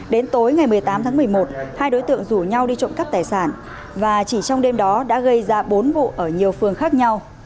đến tối ngày một mươi tám tháng một mươi một hai đối tượng rủ nhau đi trộm cắp tài sản và chỉ trong đêm đó đã gây ra bốn vụ ở nhiều phường khác nhau